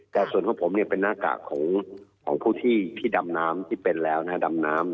แต่ส่วนของผมเป็นหน้ากากของผู้ที่ดำน้ำที่เป็นแล้วดำน้ำ